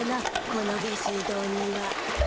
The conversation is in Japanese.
この下水道には。